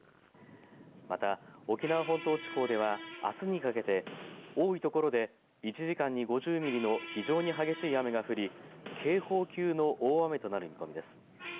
また沖縄本島地方ではあすにかけて多いところで１時間に５０ミリの非常に激しい雨が降り警報級の大雨となる見込みです。